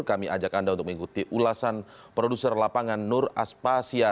kami ajak anda untuk mengikuti ulasan produser lapangan nur aspasya